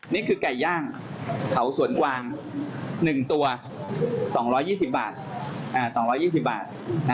นี่คือไก่ย่างเขาสวนกวาง๑ตัว๒๒๐บาท๒๒๐บาท